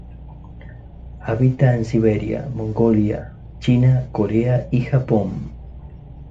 Habita en Siberia, Mongolia, China, Corea y Japón.